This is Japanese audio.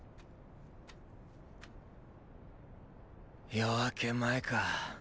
夜明け前か。